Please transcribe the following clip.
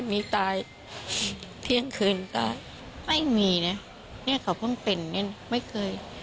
เนี่ยเขาเพิ่งเป็นเนี่ยไม่เคย